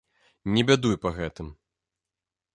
Не бядуй па гэтым.